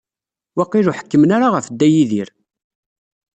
Waqil ur ḥekkmen ara ɣef Dda Yidir.